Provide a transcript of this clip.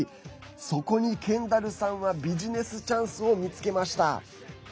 そこにケンダルさんはビジネスチャンスを見つけました。